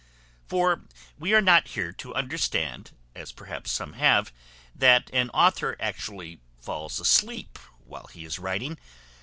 For we are not here to understand, as perhaps some have, that an author actually falls asleep while he is writing.